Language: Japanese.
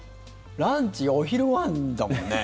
ランチお昼ご飯だもんね。